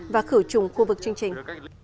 và khử trùng khu vực chương trình